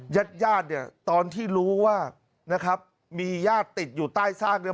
ยัดเนี่ยตอนที่รู้ว่ามียาดติดอยู่ใต้ซาก